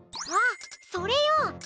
あっそれよ！